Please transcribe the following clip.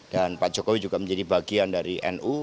dan pak jokowi juga menjadi bagian dari nu